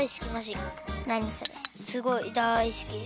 すごいだいすき。